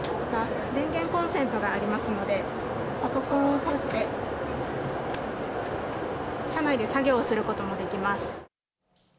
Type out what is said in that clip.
コンセントがありますのでパソコンをさして車内で作業をすることもできます。